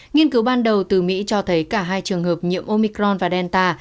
nghiên cứu ban đầu từ mỹ cho thấy cả hai trường hợp nhiễm omicron và delta